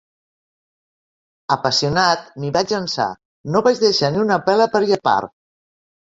Apassionat, m'hi vaig llençar; no vaig deixar ni una pela per llepar!